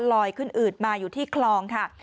ลอยขึ้นอืดมาอยู่ที่คลองค่ะ